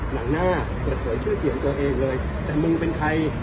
หลังหน้าเปิดเผยชื่อเสียงตัวเองเลยแต่มึงเป็นใคร